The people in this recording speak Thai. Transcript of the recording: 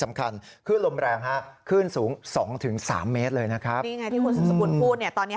สำคัญขึ้นลมแรงขึ้นสูง๒๓เมตรเลยนะครับที่คุณพูดตอนนี้